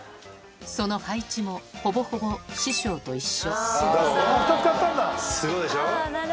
その配置もほぼほぼ師匠と一緒どう？